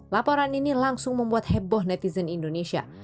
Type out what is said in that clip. laporan ini langsung membuat heboh netizen indonesia